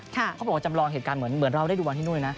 เขาบอกว่าจำลองเหตุการณ์เหมือนเราได้ดูบอลที่นู่นนะ